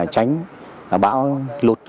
tránh bão lụt